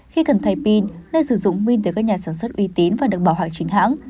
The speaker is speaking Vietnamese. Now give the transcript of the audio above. khi cần thay pin nên sử dụng pin từ các nhà sản xuất uy tín và được bảo hạng chính hãng